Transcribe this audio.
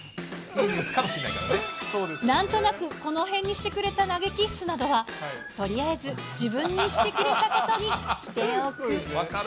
なんとなくこのへんにしてくれた投げキッスなどは、とりあえず自分にしてくれたことにしてお分かる。